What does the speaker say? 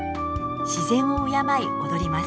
自然を敬い踊ります。